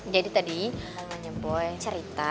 jadi tadi mamanya boy cerita